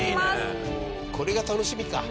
これが楽しみか。